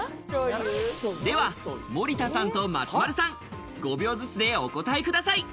では森田さんと松丸さん、５秒ずつでお答えください。